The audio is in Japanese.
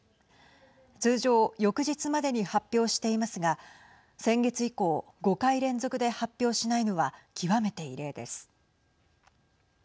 通常翌日までに発表していますが先月以降５回連続で発表しないのは極めて異例です。